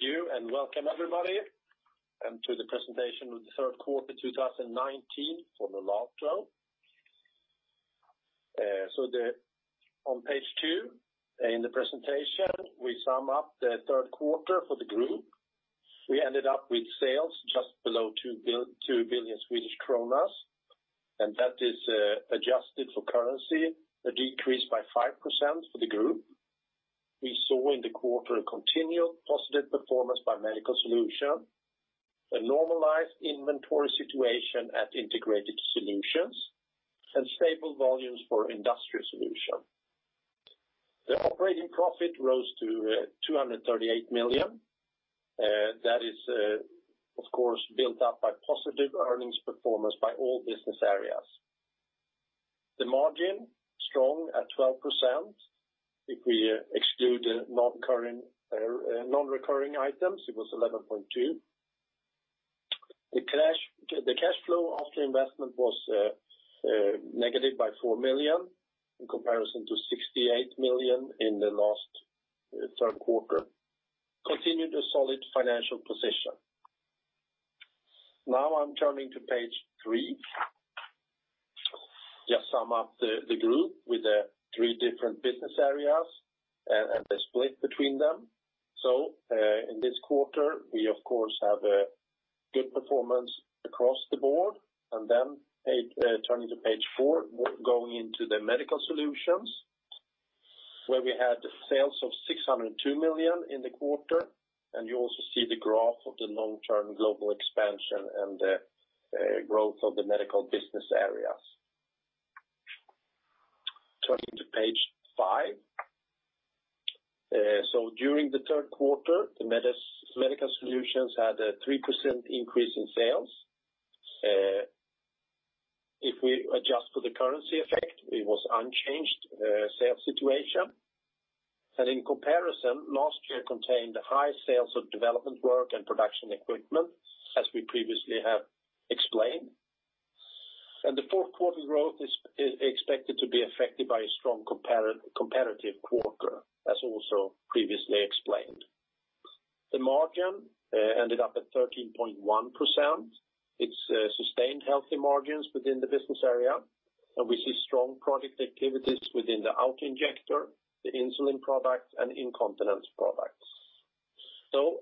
Thank you, and welcome everybody to the presentation of the third quarter 2019 for Nolato. On page two in the presentation, we sum up the third quarter for the group. We ended up with sales just below 2 billion Swedish kronor. That is adjusted for currency, a decrease by 5% for the group. We saw in the quarter a continued positive performance by Medical Solutions, a normalized inventory situation at Integrated Solutions, and stable volumes for Industrial Solutions. The operating profit rose to 238 million. That is, of course, built up by positive earnings performance by all business areas. The margin, strong at 12%. If we exclude the non-recurring items, it was 11.2%. The cash flow after investment was negative by 4 million in comparison to 68 million in the last third quarter. Continued a solid financial position. Now I'm turning to page three. Just sum up the group with the three different business areas and the split between them. In this quarter, we of course have a good performance across the board, turning to page four, going into the Medical Solutions, where we had the sales of 602 million in the quarter. You also see the graph of the long-term global expansion and the growth of the medical business areas. Turning to page five. During the third quarter, the Medical Solutions had a 3% increase in sales. If we adjust for the currency effect, it was unchanged sales situation. In comparison, last year contained high sales of development work and production equipment, as we previously have explained. The fourth quarter growth is expected to be affected by a strong competitive quarter, as also previously explained. The margin ended up at 13.1%. It sustained healthy margins within the business area, and we see strong product activities within the auto-injector, the insulin products, and incontinence products.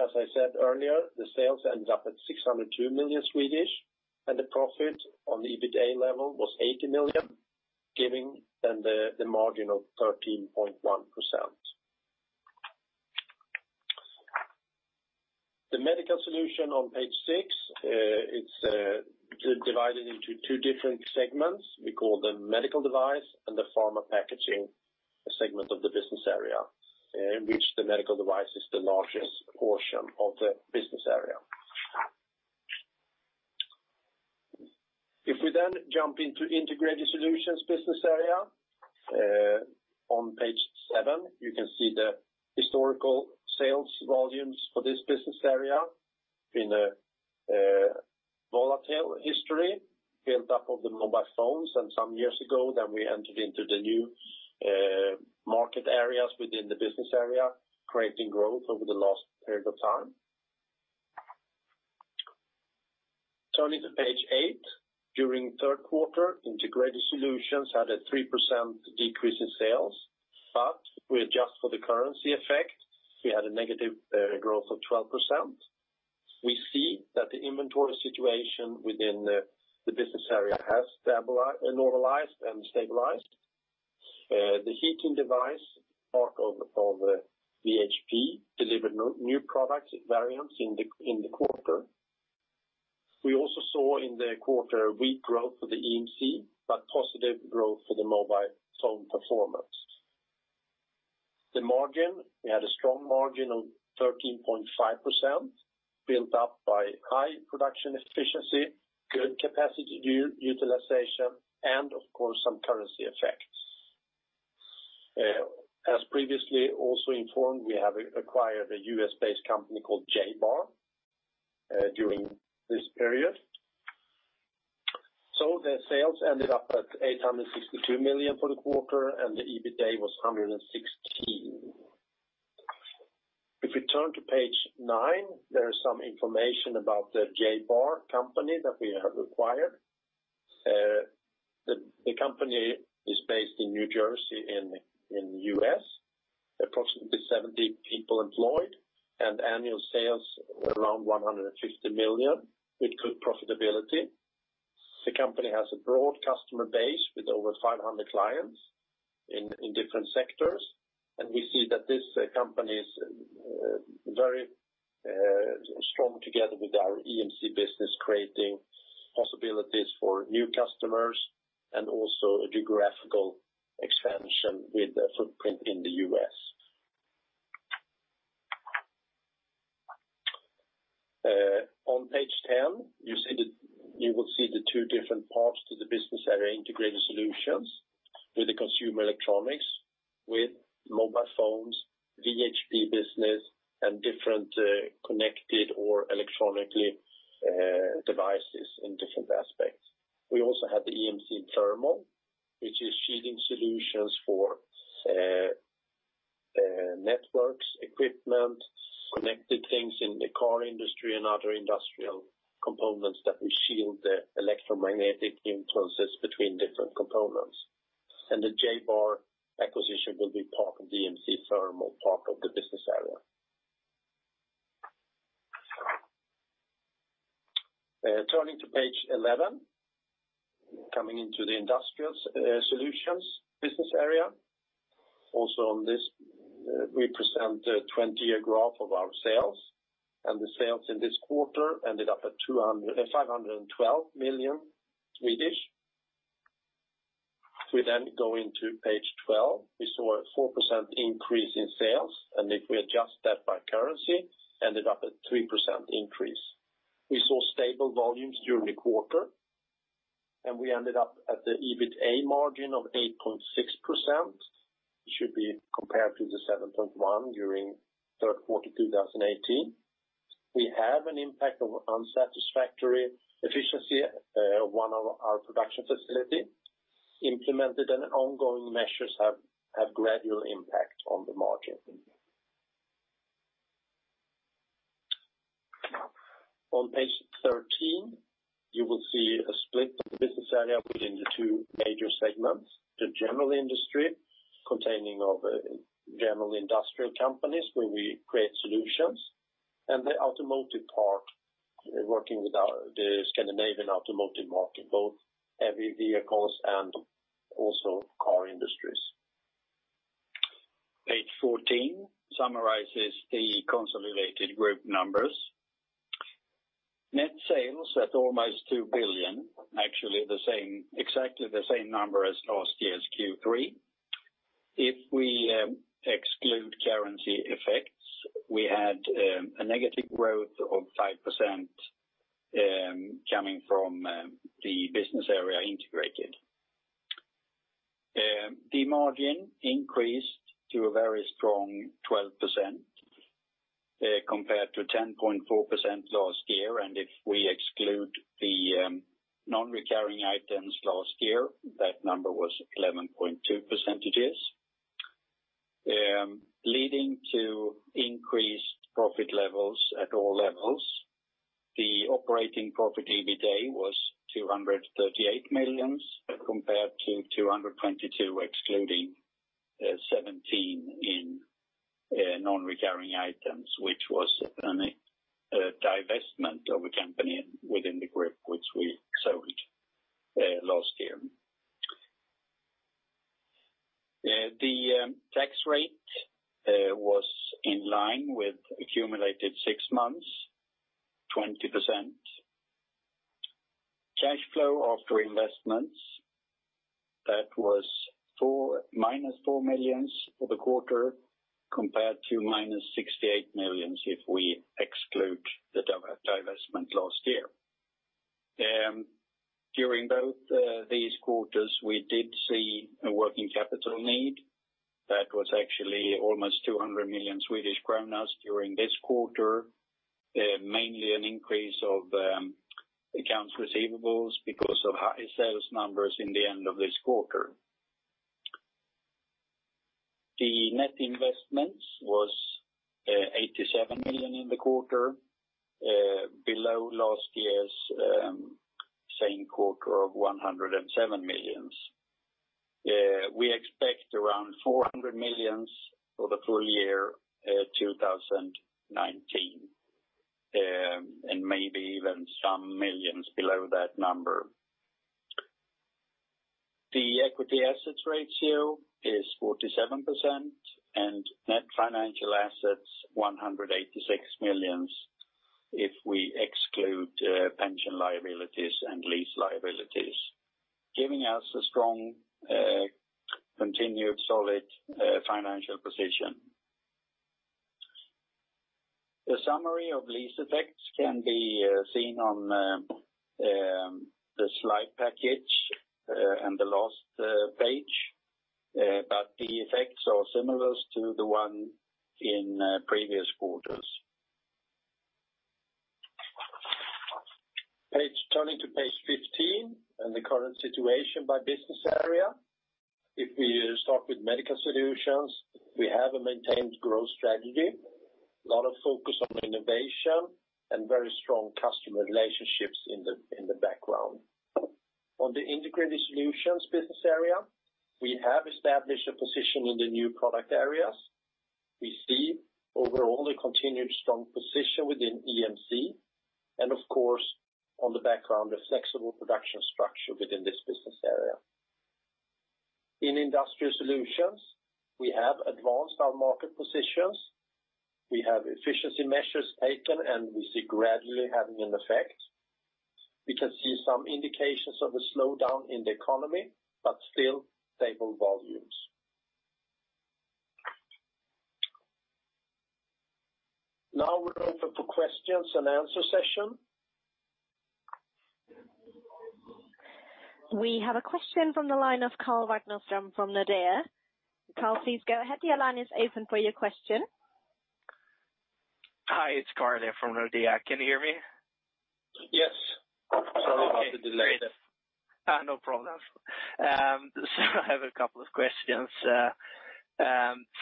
As I said earlier, the sales ended up at 602 million, and the profit on the EBITA level was 80 million, giving then the margin of 13.1%. The Medical Solutions on page six, it's divided into two different segments. We call them medical device and the pharma packaging segment of the business area, in which the medical device is the largest portion of the business area. If we then jump into Integrated Solutions business area, on page seven, you can see the historical sales volumes for this business area in a volatile history built up of the mobile phones. Some years ago, then we entered into the new market areas within the business area, creating growth over the last period of time. Turning to page eight. During third quarter, Integrated Solutions had a 3% decrease in sales, we adjust for the currency effect, we had a negative growth of 12%. We see that the inventory situation within the business area has normalized and stabilized. The heating device, part of the VHP, delivered new product variants in the quarter. We also saw in the quarter a weak growth for the EMC, positive growth for the mobile phone performance. The margin, we had a strong margin of 13.5%, built up by high production efficiency, good capacity utilization, and of course, some currency effects. As previously also informed, we have acquired a U.S.-based company called Ja-Bar during this period. The sales ended up at 862 million for the quarter, and the EBITA was 116. If we turn to page nine, there is some information about the Ja-Bar company that we have acquired. The company is based in New Jersey in the U.S. Approximately 70 people employed and annual sales around 150 million with good profitability. The company has a broad customer base with over 500 clients in different sectors, and we see that this company is very strong together with our EMC business, creating possibilities for new customers and also a geographical expansion with a footprint in the U.S. On page 10, you will see the two different parts to the business area Integrated Solutions with the consumer electronics, with mobile phones, VHP business, and different connected or electronically devices in different aspects. We also have the EMC thermal Which is shielding solutions for networks, equipment, connected things in the car industry and other industrial components that we shield the electromagnetic influences between different components. The Ja-Bar acquisition will be part of the EMC thermal part of the business area. Turning to page 11, coming into the Industrial Solutions business area. Also on this, we present a 20-year graph of our sales, the sales in this quarter ended up at 512 million. We go into page 12. We saw a 4% increase in sales, if we adjust that by currency, ended up at 3% increase. We saw stable volumes during the quarter, we ended up at the EBITA margin of 8.6%, should be compared to the 7.1% during third quarter 2018. We have an impact of unsatisfactory efficiency at one of our production facility. Implemented and ongoing measures have gradual impact on the margin. On page 13, you will see a split of the business area within the two major segments. The general industry, containing of general industrial companies where we create solutions, and the automotive part, working with the Scandinavian automotive market, both heavy vehicles and also car industries. Page 14 summarizes the consolidated group numbers. Net sales at almost 2 billion, actually exactly the same number as last year's Q3. If we exclude currency effects, we had a negative growth of 5% coming from the business area integrated. The margin increased to a very strong 12%, compared to 10.4% last year. If we exclude the non-recurring items last year, that number was 11.2%, leading to increased profit levels at all levels. The operating profit EBITA was 238 million, compared to 222, excluding 17 million in non-recurring items, which was a divestment of a company within the group which we sold last year. The tax rate was in line with accumulated six months, 20%. Cash flow after investments, that was minus 4 million for the quarter compared to minus 68 million if we exclude the divestment last year. During both these quarters, we did see a working capital need that was actually almost 200 million Swedish kronor during this quarter. Mainly an increase of accounts receivables because of high sales numbers in the end of this quarter. The net investments was 87 million in the quarter, below last year's same quarter of 107 million. We expect around 400 million for the full year 2019, and maybe even some millions below that number. The equity assets ratio is 47% and net financial assets 186 million if we exclude pension liabilities and lease liabilities, giving us a strong, continued, solid financial position. The summary of lease effects can be seen on the slide package on the last page. The effects are similar to the one in previous quarters. Turning to page 15 and the current situation by business area. If we start with Medical Solutions, we have a maintained growth strategy, a lot of focus on innovation and very strong customer relationships in the background. On the Integrated Solutions business area, we have established a position in the new product areas. We see overall a continued strong position within EMC and of course, on the background, a flexible production structure within this business area. In Industrial Solutions, we have advanced our market positions. We have efficiency measures taken, and we see gradually having an effect. We can see some indications of a slowdown in the economy, but still stable volumes. Now we are open for questions and answer session. We have a question from the line of Carl Ragnerstam from Nordea. Carl, please go ahead. Your line is open for your question. Hi, it's Carl from Nordea. Can you hear me? Yes. Sorry about the delay there. No problem. I have a couple of questions.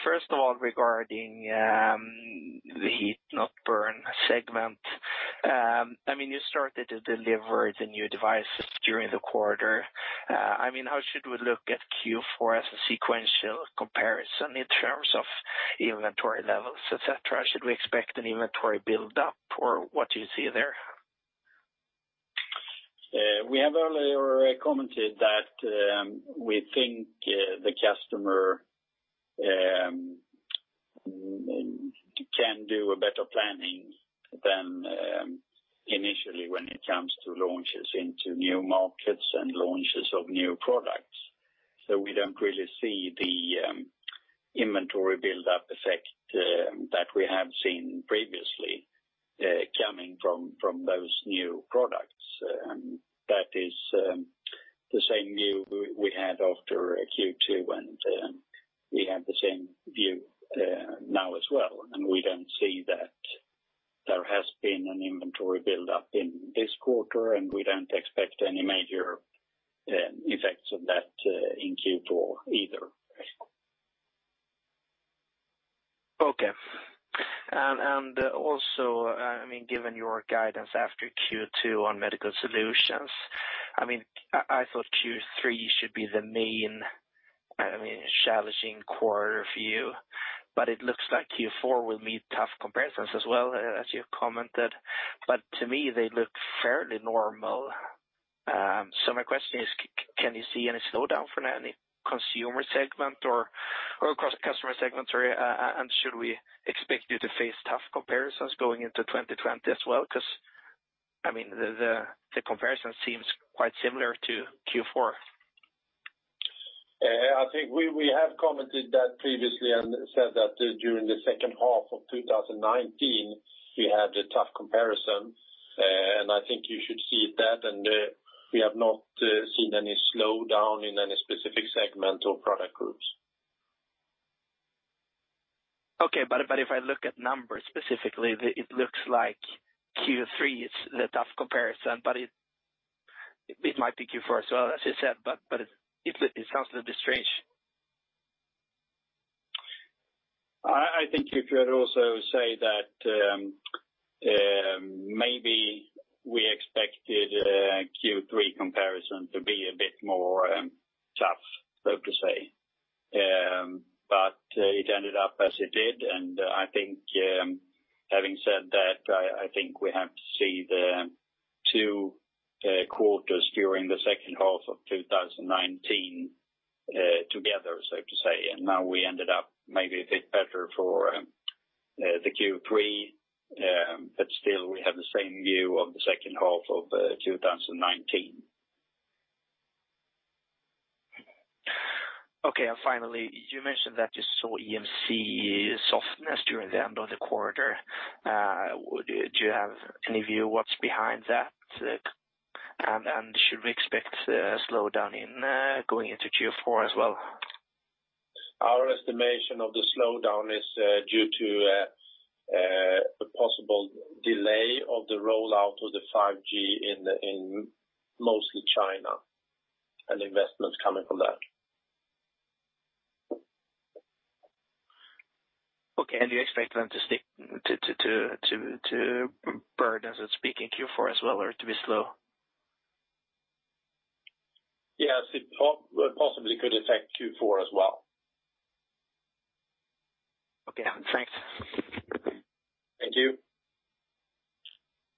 First of all, regarding the heat-not-burn segment. You started to deliver the new devices during the quarter. How should we look at Q4 as a sequential comparison in terms of inventory levels, et cetera? Should we expect an inventory build-up? What do you see there? We have earlier commented that we think the customer can do a better planning than initially when it comes to launches into new markets and launches of new products. We don't really see the inventory build-up effect that we have seen previously coming from those new products. That is the same view we had after Q2, and we have the same view now as well, and we don't see that there has been an inventory build-up in this quarter, and we don't expect any major effects of that in Q4 either. Okay. Also, given your guidance after Q2 on Medical Solutions, I thought Q3 should be the main challenging quarter for you. It looks like Q4 will meet tough comparisons as well as you have commented. To me, they look fairly normal. My question is, can you see any slowdown for any consumer segment or across customer segments? Should we expect you to face tough comparisons going into 2020 as well? The comparison seems quite similar to Q4. I think we have commented that previously and said that during the second half of 2019, we had a tough comparison. I think you should see that, and we have not seen any slowdown in any specific segment or product groups. Okay. If I look at numbers specifically, it looks like Q3 is the tough comparison, but it might be Q4 as well as you said, but it sounds a little bit strange. I think you could also say that maybe we expected Q3 comparison to be a bit more tough, so to say. It ended up as it did, and I think having said that, I think we have to see the two quarters during the second half of 2019 together, so to say. Now we ended up maybe a bit better for the Q3, but still we have the same view of the second half of 2019. Okay. Finally, you mentioned that you saw EMC softness during the end of the quarter. Do you have any view what's behind that? Should we expect a slowdown in going into Q4 as well? Our estimation of the slowdown is due to a possible delay of the rollout of the 5G in mostly China and investments coming from that. Okay. You expect them to burn, as it's speaking, Q4 as well or to be slow? Yes, it possibly could affect Q4 as well. Okay, thanks. Thank you.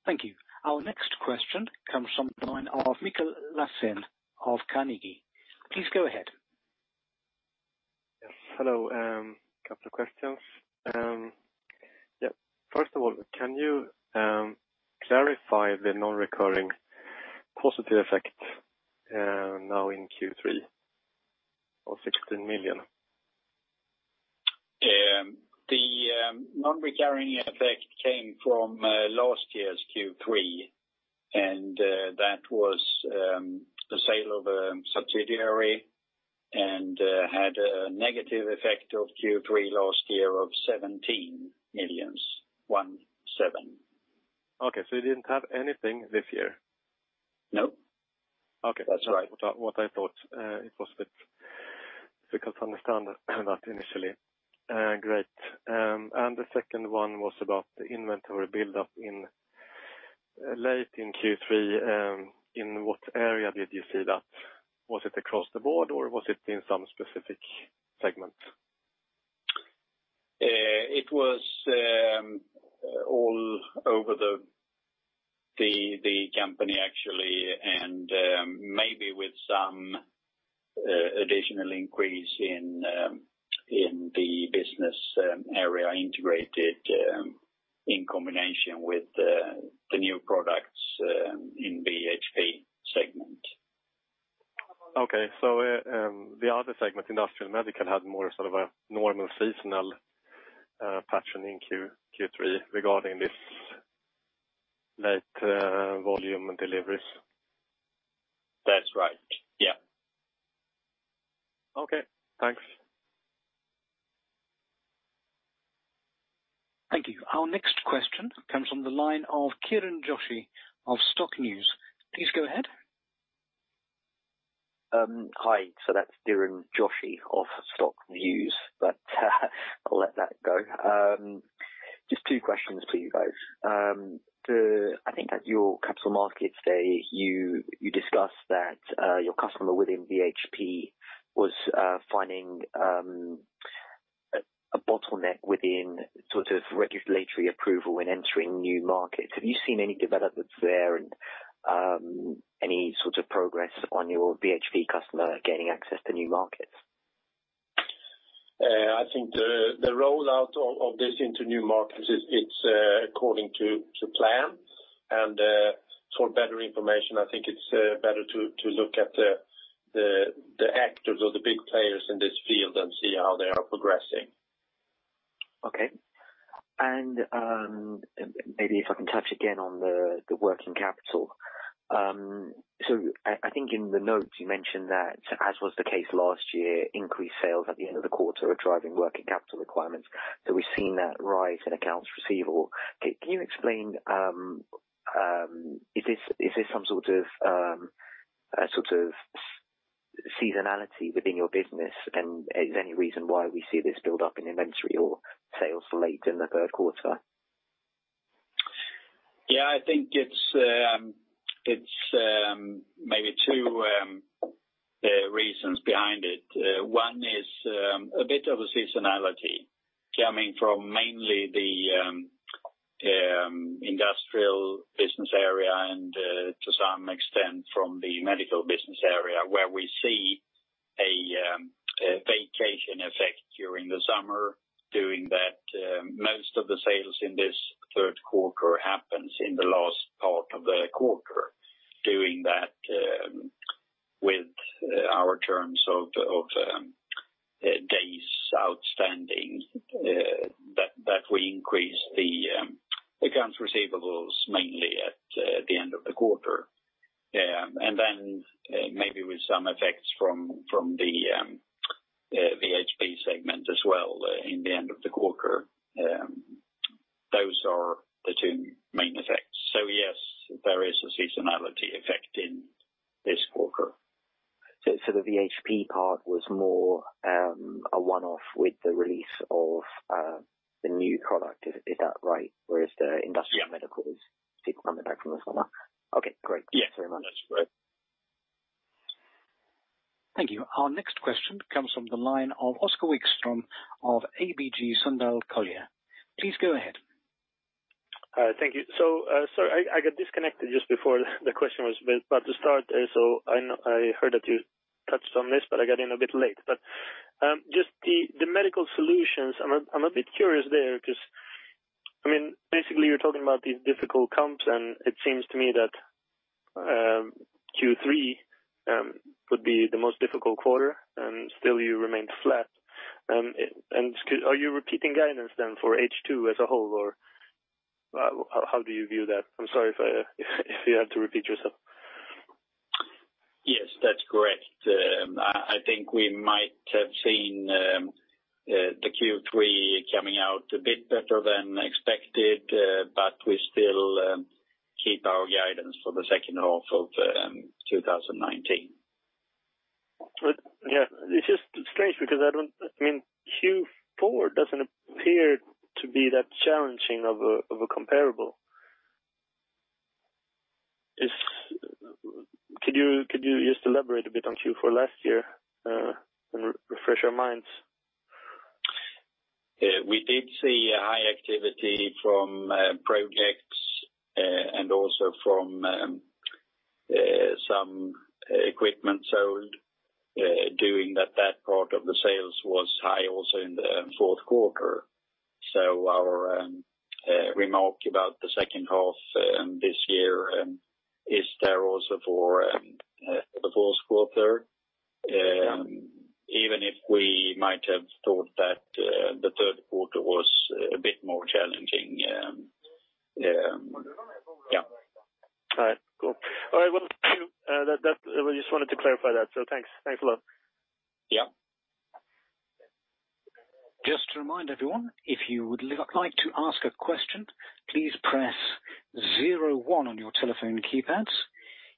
Thank you. Our next question comes from the line of Mikael Lassen of Carnegie. Please go ahead. Yes. Hello. Couple of questions. First of all, can you clarify the non-recurring positive effect now in Q3 of 16 million? The non-recurring effect came from last year's Q3, and that was the sale of a subsidiary and had a negative effect of Q3 last year of 17 million. One, seven. Okay. You didn't have anything this year? No. Okay. That's right. What I thought. It was a bit difficult to understand that initially. Great. The second one was about the inventory build-up late in Q3. In what area did you see that? Was it across the board, or was it in some specific segment? It was all over the company, actually, and maybe with some additional increase in the business area Integrated Solutions in combination with the new products in VHP segment. Okay. The other segment, Industrial Medical, had more sort of a normal seasonal pattern in Q3 regarding this late volume and deliveries? That's right. Okay, thanks. Thank you. Our next question comes from the line of Kiran Joshi of Stock Views. Please go ahead. Hi. That's Kiran Joshi of Stock Views, but I'll let that go. Just two questions to you both. I think at your capital markets day, you discussed that your customer within VHP was finding a bottleneck within regulatory approval when entering new markets. Have you seen any developments there and any sorts of progress on your VHP customer gaining access to new markets? I think the rollout of this into new markets is according to plan, and for better information, I think it's better to look at the actors or the big players in this field and see how they are progressing. Okay. Maybe if I can touch again on the working capital. I think in the notes you mentioned that, as was the case last year, increased sales at the end of the quarter are driving working capital requirements. We've seen that rise in accounts receivable. Is this some sort of seasonality within your business, and is there any reason why we see this build up in inventory or sales late in the third quarter? I think it's maybe two reasons behind it. One is a bit of a seasonality coming from mainly the Industrial business area and, to some extent, from the Medical business area, where we see a vacation effect during the summer, doing that most of the sales in this third quarter happens in the last part of the quarter, doing that with our terms of days outstanding, that we increase the accounts receivables mainly at the end of the quarter. Then maybe with some effects from the VHP segment as well, in the end of the quarter. Those are the two main effects. Yes, there is a seasonality effect in this quarter. The VHP part was more a one-off with the release of the new product. Is that right? The Industrial Medical is coming back from the summer. Okay, great. Yes. Thanks very much. That's right. Thank you. Our next question comes from the line of Oskar Wickström of ABG Sundal Collier. Please go ahead. Thank you. Sorry, I got disconnected just before the question was about to start. I heard that you touched on this, but I got in a bit late. Just the Medical Solutions, I'm a bit curious there because, basically you're talking about these difficult comps, and it seems to me that Q3 would be the most difficult quarter, and still you remained flat. Are you repeating guidance then for H2 as a whole? Or how do you view that? I'm sorry if you have to repeat yourself. Yes, that's correct. I think we might have seen the Q3 coming out a bit better than expected, but we still keep our guidance for the second half of 2019. Yeah. It's just strange because Q4 doesn't appear to be that challenging of a comparable. Could you just elaborate a bit on Q4 last year and refresh our minds? We did see a high activity from projects and also from some equipment sold, doing that part of the sales was high also in the fourth quarter. Our remark about the second half this year is there also for the fourth quarter, even if we might have thought that the third quarter was a bit more challenging. Yeah. All right, cool. All right, well, thank you. I just wanted to clarify that, so thanks a lot. Yeah. Just to remind everyone, if you would like to ask a question, please press zero one on your telephone keypads.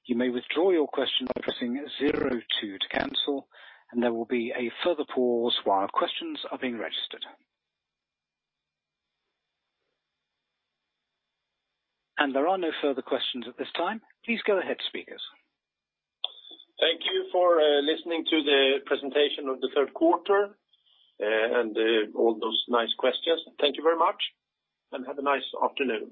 You may withdraw your question by pressing zero two to cancel, and there will be a further pause while questions are being registered. There are no further questions at this time. Please go ahead, speakers. Thank you for listening to the presentation of the third quarter and all those nice questions. Thank you very much, and have a nice afternoon.